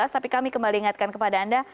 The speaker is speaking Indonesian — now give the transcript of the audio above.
tapi kami kembali ingatkan kepada anda